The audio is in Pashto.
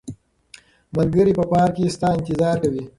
ملګري په پارک کې ستا انتظار کوي.